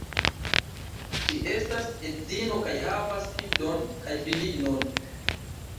Ŝi estas edzino kaj havas filon kaj filinon.